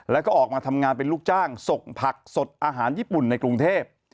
แล้วก็ออกมาทำงานเป็นลูกจ้างส่งผักสดอาหารญี่ปุ่นในกรุงเทพ